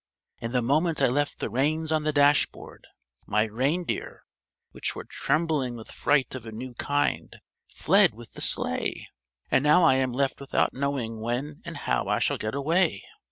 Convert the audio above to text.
And the moment I left the reins on the dashboard, my reindeer, which were trembling with fright of a new kind, fled with the Sleigh. And now I am left without knowing when and how I shall get away.